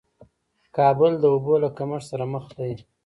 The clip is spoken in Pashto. کابل د اوبو له کمښت سره مخ دې